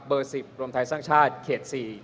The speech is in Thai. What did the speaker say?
๑๐รวมไทยสร้างชาติเขต๔